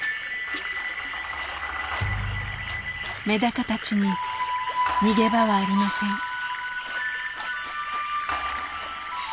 メダカたちに逃げ場はありません。